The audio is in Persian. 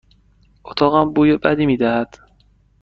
اتاقم بوی بدی می دهد.